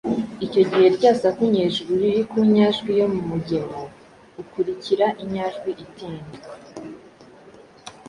Icyo gihe rya saku nyejuru riri ku nyajwi yo mu mugemo ukurikira inyajwi itinda,